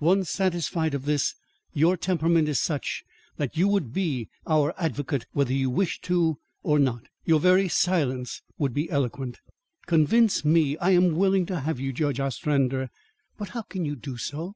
Once satisfied of this, your temperament is such that you would be our advocate whether you wished it or no. Your very silence would be eloquent." "Convince me; I am willing to have you, Judge Ostrander. But how can you do so?